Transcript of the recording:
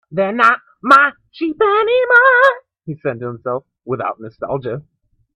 "They're not my sheep anymore," he said to himself, without nostalgia.